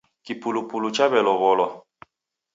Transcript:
Kipulupulu chawelowolwa